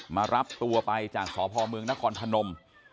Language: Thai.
มารับตัวไปจากสพเมืองนครพนม